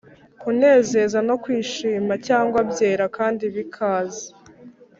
kunezeza no kwishima, cyangwa byera kandi bikaze,